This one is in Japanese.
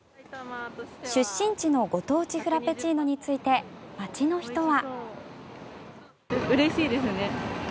出身地のご当地フラペチーノについて街の人は。